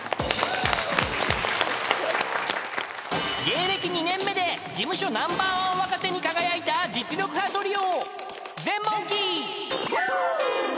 ［芸歴２年目で事務所ナンバーワン若手に輝いた実力派トリオ］